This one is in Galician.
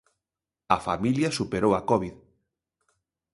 A familia superou a covid.